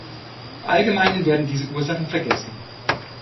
Im Allgemeinen werden diese Ursachen vergessen.